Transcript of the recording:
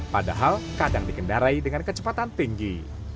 padahal kadang dikendarai dengan kecepatan tinggi